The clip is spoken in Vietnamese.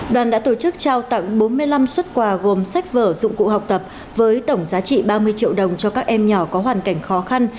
đoàn đã tổ chức trao tặng bốn mươi năm xuất quà gồm sách vở dụng cụ học tập với tổng giá trị ba mươi triệu đồng cho các em nhỏ có hoàn cảnh khó khăn